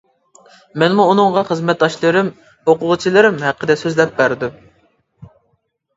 مەنمۇ ئۇنىڭغا خىزمەتداشلىرىم، ئوقۇغۇچىلىرىم ھەققىدە سۆزلەپ بەردىم.